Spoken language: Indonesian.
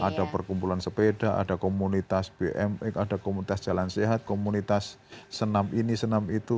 ada perkumpulan sepeda ada komunitas bmx ada komunitas jalan sehat komunitas senam ini senam itu